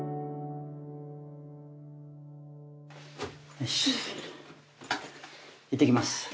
おしいってきます。